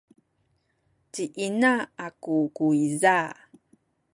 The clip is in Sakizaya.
ci ina aku kuyza